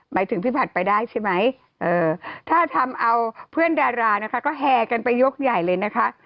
หมายถึงพี่ผัดไปได้ใช่ไหมถ้าทำเอาเพื่อนดารานะคะก็แห่กันไปยกใหญ่เลยนะคะ